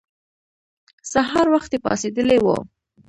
سهار وختي پاڅېدلي وو.